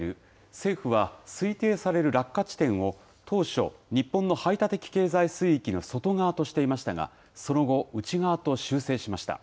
政府は、推定される落下地点を当初、日本の排他的経済水域の外側としていましたが、その後、内側と修正しました。